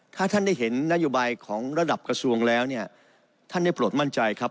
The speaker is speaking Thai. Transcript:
ถ้าท่านได้เห็นนโยบายของระดับกระทรวงแล้วเนี่ยท่านได้โปรดมั่นใจครับ